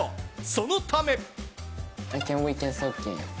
そのため。